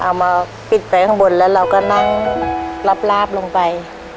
เอามาปิดไว้ข้างบนแล้วเราก็นั่งลาบลงไป